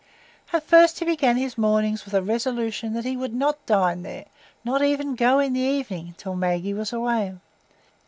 At first he began his mornings with a resolution that he would not dine there, not even go in the evening, till Maggie was away.